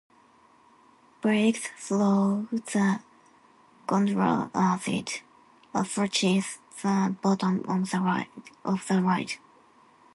Brakes slow the gondola as it approaches the bottom of the ride.